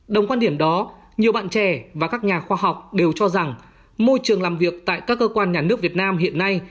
đồng quan điểm đó nhiều bạn trẻ và các nhà khoa học đều cho rằng môi trường làm việc tại các cơ quan nhà nước việt nam hiện nay